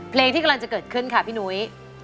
เพลงที่กำลังจะเกิดขึ้นค่ะพี่หนุ้ย